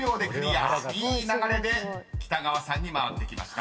［いい流れで北川さんに回ってきました］